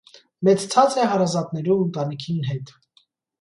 Մեծցած է հարազատներու ընտանիքին մէտ։